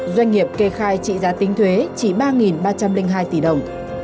doanh nghiệp kê khai trị giá tính thuế chỉ ba ba trăm linh hai tỷ đồng